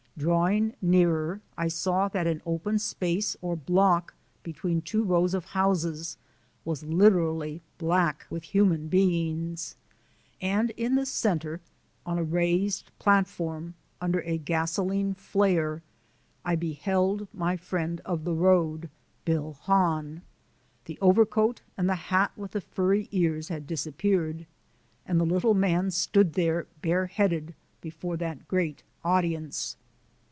Drawing nearer I saw that an open space or block between two rows of houses was literally black with human beings, and in the centre on a raised platform, under a gasolene flare, I beheld my friend of the road, Bill Hahn. The overcoat and the hat with the furry ears had disappeared, and the little man stood there bare headed, before that great audience.